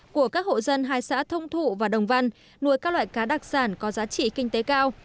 của các hộ dân hai xã thông thụ và đồng văn nuôi các loại cá đặc sản có giá trị kinh tế cao